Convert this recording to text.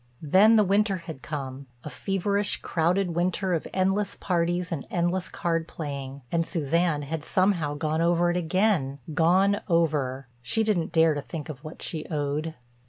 Then the winter had come, a feverish, crowded winter of endless parties and endless card playing, and Suzanne had somehow gone over it again, gone over—she didn't dare to think of what she owed.